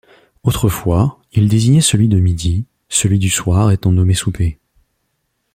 Autrefois, il désignait celui de midi, celui du soir étant nommé souper.